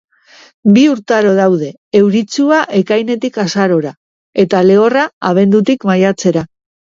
Bi urtaro daude: euritsua ekainetik azarora, eta lehorra, abendutik maiatzera.